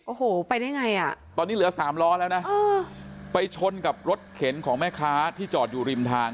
โอ้โหไปได้ไงอ่ะตอนนี้เหลือสามล้อแล้วนะไปชนกับรถเข็นของแม่ค้าที่จอดอยู่ริมทาง